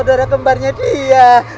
darah kembarnya dia